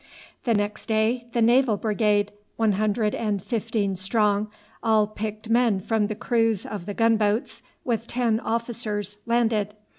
The next day the Naval Brigade, one hundred and fifteen strong, all picked men from the crews of the gun boats, with ten officers, landed.